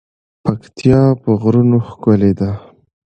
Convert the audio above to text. پکتيا په غرونو ښکلی ده.